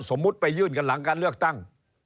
สมมุติไปยื่นกันหลังการเลือกตั้ง